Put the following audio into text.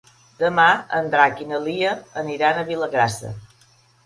Demà en Drac i na Lia aniran a Vilagrassa.